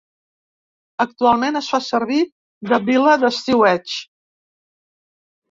Actualment es fa servir de vila d'estiueig.